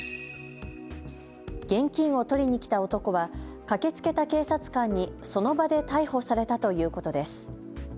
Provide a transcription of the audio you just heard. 現金を取りに来た男は駆けつけた警察官にその場で逮捕されたということです。